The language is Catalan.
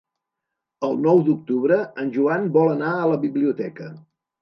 El nou d'octubre en Joan vol anar a la biblioteca.